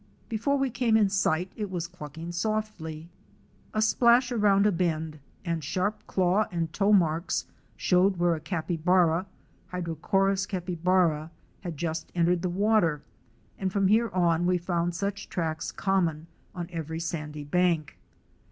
Before we came in sight it was clucking softly. A splash around a bend, and sharp claw and toe marks showed where a capybara (Hydrochserus capybara) had just entered the water, and from here on we found such tracks common on every sandy bank.